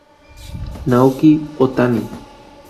Naoki Otani